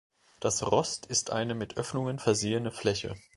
Das Rost ist eine mit Öffnungen versehene Fläche.